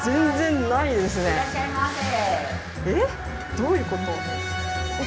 えっ？どういうこと？